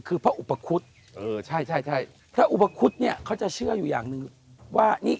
คือพระอุปคุฎเออใช่ใช่พระอุปคุฎเนี่ยเขาจะเชื่ออยู่อย่างหนึ่งว่านี่